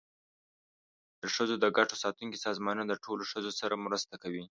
د ښځو د ګټو ساتونکي سازمانونه د ټولو ښځو سره مرسته کوي.